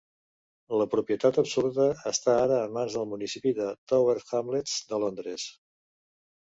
La propietat absoluta està ara en mans del municipi de Tower Hamlets de Londres.